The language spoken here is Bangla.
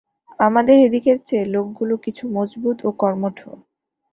আমাদের এদিকের চেয়ে লোকগুলো কিছু মজবুত ও কর্মঠ।